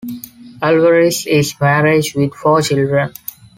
Alvarez is married with four children.